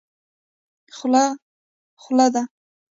خوله خوله ده.